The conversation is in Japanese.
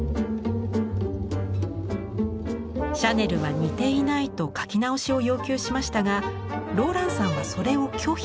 シャネルは似ていないと描き直しを要求しましたがローランサンはそれを拒否。